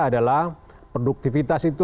adalah produktivitas itu